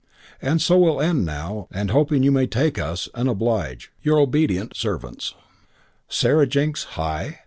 And so will end now and hoping you may take us and oblige, your obedient servants "Sarah Jinks (hi!)